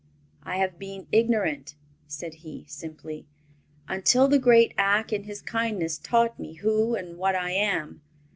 "I have been ignorant," said he, simply, "until the great Ak in his kindness taught me who and what I am.